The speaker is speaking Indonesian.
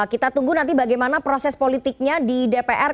kita tunggu nanti bagaimana proses politiknya di dpr